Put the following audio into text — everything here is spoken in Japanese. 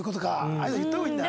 ああいうの言った方がいいんだ。